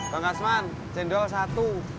bang kasman cendol satu